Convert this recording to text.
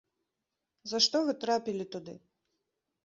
За што вы трапілі туды?